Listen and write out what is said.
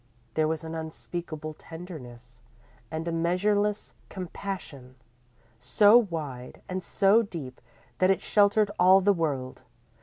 There was an unspeakable tenderness and a measureless compassion, so wide and so deep that it sheltered all the world.